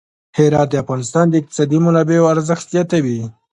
هرات د افغانستان د اقتصادي منابعو ارزښت زیاتوي.